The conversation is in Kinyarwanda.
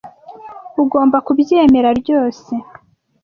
Ugomba kubyemera ryose.